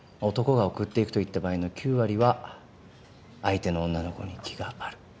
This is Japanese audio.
男が送っていくと言った場合の９割は相手の女の子に気がある。